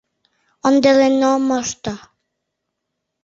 — Ондален ом мошто.